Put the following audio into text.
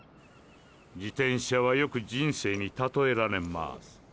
自転車はよく人生に例えられマス。